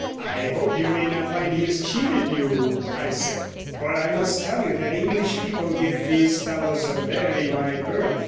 "I hope you may not find he has cheated you," I said, "for I must tell you that English people give these fellows a very wide berth.